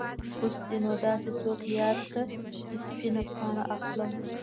اوس دې نو داسې څوک یاد کړ چې سپینه پاڼه اخلم.